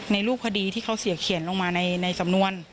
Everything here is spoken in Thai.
รูปคดีที่เขาเสียเขียนลงมาในสำนวน